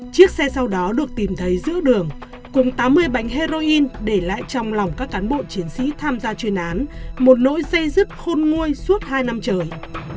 chiếc xe sau đó được tìm thấy giữa đường cùng tám mươi bánh heroin để lại trong lòng các cán bộ chiến sĩ tham gia chuyên án một nỗi dây dứt khôn nguôi suốt hai năm trời